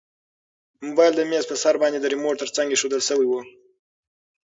موبایل د میز په سر باندې د ریموټ تر څنګ ایښودل شوی و.